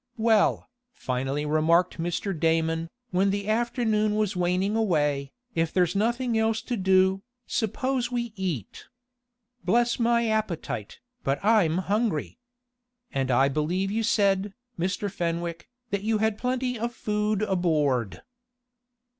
"Well," finally remarked Mr. Damon, when the afternoon was waning away, "if there's nothing else to do, suppose we eat. Bless my appetite, but I'm hungry! and I believe you said, Mr. Fenwick, that you had plenty of food aboard."